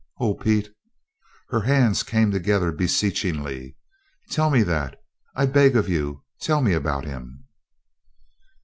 Oh, Pete!" Her hands came together beseechingly, "Tell me that I beg of you tell me about him."